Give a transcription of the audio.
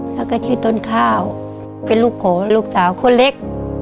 แล้วก็ชื่อต้นข้าวเป็นลูกโกลูกสาวคนเล็ก